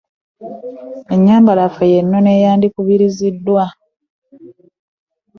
Ennyambala yaffe ey'ennono yandikubiriziddwa .